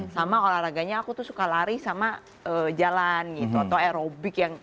sama olahraganya aku tuh suka lari sama jalan gitu atau aerobik yang